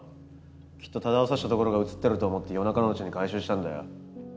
きっと多田を刺したところが映ってると思って夜中のうちに回収したんだよ。